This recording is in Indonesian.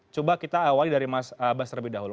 coba kita awali dari mas abbas terlebih dahulu